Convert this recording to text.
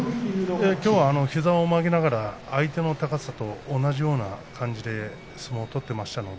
きょうは膝を曲げながら相手の高さと同じような高さで相撲を取っていました。